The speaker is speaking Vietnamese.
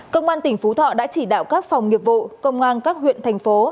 công an tỉnh phú thọ đã chỉ đạo các phòng nghiệp vụ công an các huyện thành phố